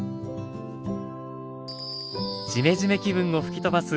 ジメジメ気分を吹き飛ばす